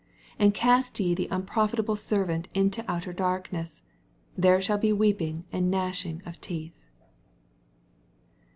80 And east ye the mtproAtabla servant into outer darkneea: there shall be weeping and gnashing of teeth.